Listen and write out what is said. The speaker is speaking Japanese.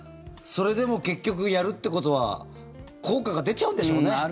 それでも結局やるってことは効果が出ちゃうんでしょうね。